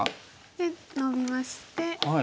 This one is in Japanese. でノビまして。